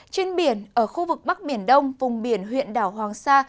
trên biển ở khu vực bắc biển đông vùng biển huyện đảo hoàng sa